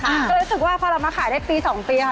ก็เลยรู้สึกว่าพอเรามาขายได้ปี๒ปีค่ะ